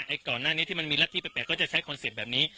ก่อนหน้านี้ที่มันมีรัฐที่แปลกก็จะใช้คอนเซ็ปต์แบบนี้